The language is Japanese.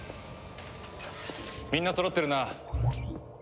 みんなそろってるな。